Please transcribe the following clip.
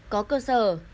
có cơ sở